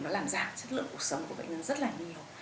nó làm giảm chất lượng cuộc sống của bệnh nhân rất là nhiều